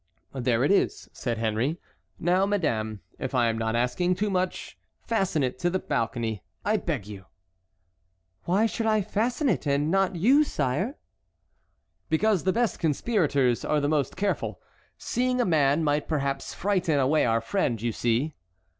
"There it is," said Henry; "now, madame, if I am not asking too much, fasten it to the balcony, I beg you." "Why should I fasten it and not you, sire?" said Marguerite. "Because the best conspirators are the most careful. Seeing a man might perhaps frighten away our friend, you see."